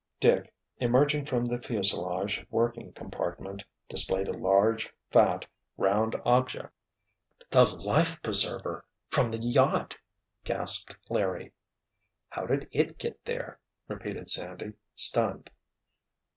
Dick, emerging from the fuselage working compartment, displayed a large, fat, round object. "The life preserver—from the yacht!" gasped Larry. "How did it get there?" repeated Sandy, stunned.